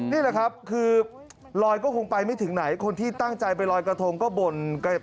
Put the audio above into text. นี่แหละครับคือลอยก็คงไปไม่ถึงไหนคนที่ตั้งใจไปลอยกระทงก็บ่น